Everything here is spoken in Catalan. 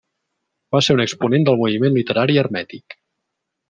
Va ser un exponent del moviment literari hermètic.